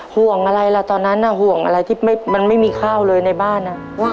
ห่วงอะไรล่ะตอนนั้นน่ะห่วงอะไรที่มันไม่มีข้าวเลยในบ้าน